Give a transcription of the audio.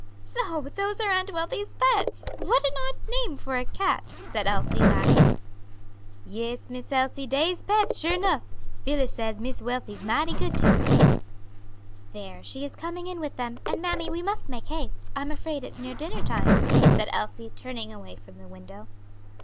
"So those are Aunt Wealthy's pets. What an odd name for a cat," said Elsie, laughing. "Yes, Miss Elsie, dey's pets, sure nuff: Phillis says Miss Wealthy's mighty good t'em." "There, she is coming in with them, and, mammy, we must make haste. I'm afraid it's near dinner time," said Elsie, turning away from the window.